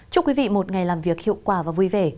chúc quý vị một ngày làm việc hiệu quả và vui vẻ